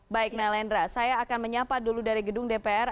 baik nalendra saya akan menyapa dulu dari gedung dpr